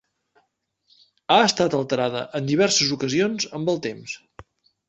Ha estat alterada en diverses ocasions amb el temps.